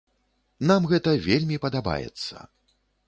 Нам гэта вельмі падабаецца.